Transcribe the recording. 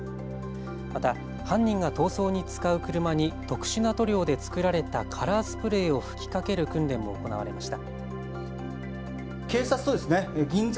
また犯人が逃走に使う車に特殊な塗料で作られたカラースプレーを吹きかける訓練も行われました。